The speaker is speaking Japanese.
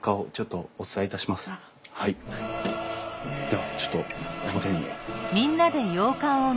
ではちょっと表に。